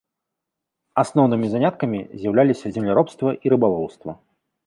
Асноўнымі заняткамі з'яўляліся земляробства і рыбалоўства.